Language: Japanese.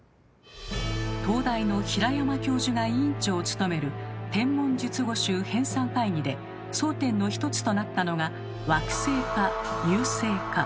東大の平山教授が委員長を務める「『天文術語集』編纂会議」で争点の一つとなったのが「惑星」か「遊星」か。